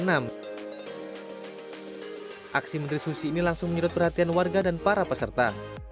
aksi menteri susi ini langsung menyerut perhatian warga dan para peserta